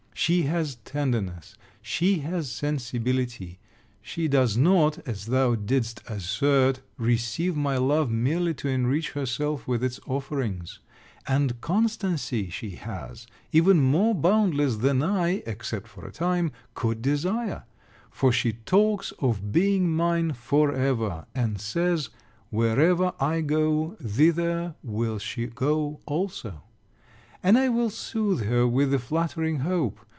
She has tenderness, she has sensibility; she does not, as thou didst assert, receive my love merely to enrich herself with its offerings; and constancy she has, even more boundless than I (except for a time) could desire; for she talks of being mine for ever, and says, wherever I go thither will she go also. And I will soothe her with the flattering hope.